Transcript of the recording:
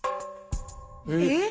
えっ？